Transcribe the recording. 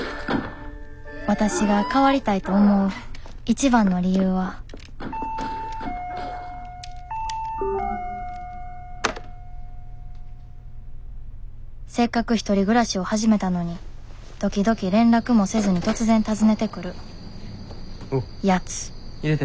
わたしが変わりたいと思う一番の理由はせっかく１人暮らしを始めたのに時々連絡もせずに突然訪ねてくるヤツ入れて。